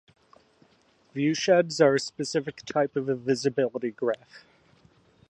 Viewsheds are a specific type of visibility graph.